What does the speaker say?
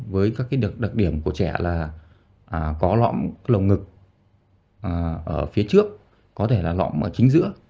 với các đặc điểm của trẻ là có lõng ngực ở phía trước có thể là lõng ở chính giữa